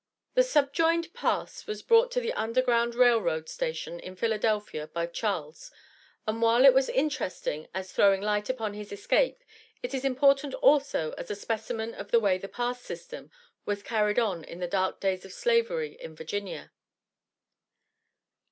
The subjoined "pass" was brought to the Underground Rail Road station in Philadelphia by Charles, and while it was interesting as throwing light upon his escape, it is important also as a specimen of the way the "pass" system was carried on in the dark days of Slavery in Virginia: "NAT.